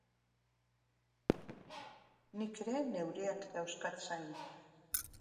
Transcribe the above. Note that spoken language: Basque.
Nik ere neureak dauzkat zain.